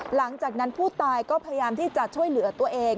หลังจากนั้นผู้ตายก็พยายามที่จะช่วยเหลือตัวเอง